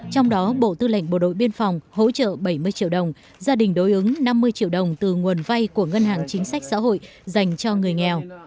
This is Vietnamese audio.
trong đó bộ tư lệnh bộ đội biên phòng hỗ trợ bảy mươi triệu đồng gia đình đối ứng năm mươi triệu đồng từ nguồn vay của ngân hàng chính sách xã hội dành cho người nghèo